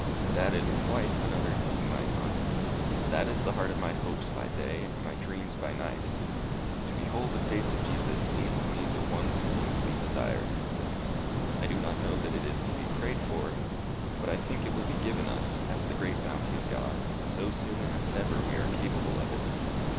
"That is quite another thing, my Connie. That is the heart of my hopes by day and my dreams by night. To behold the face of Jesus seems to me the one thing to be desired. I do not know that it is to be prayed for; but I think it will be given us as the great bounty of God, so soon as ever we are capable of it.